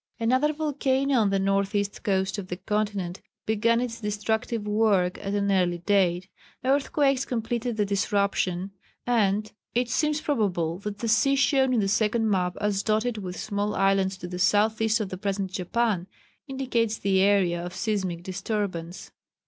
Another volcano on the north east coast of the continent began its destructive work at an early date. Earthquakes completed the disruption, and it seems probable that the sea shown in the second map as dotted with small islands to the south east of the present Japan, indicates the area of seismic disturbance.